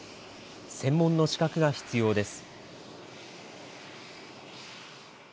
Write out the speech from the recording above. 専門の資格が必要です。